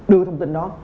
đưa thông tin đó